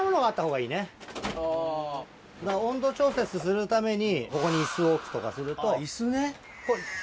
だから温度調節するためにここに椅子置くとかすると。